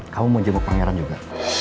kamu mau jemuk pangeran juga